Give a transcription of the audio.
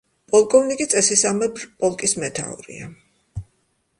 პოლკოვნიკი წესისამებრ პოლკის მეთაურია.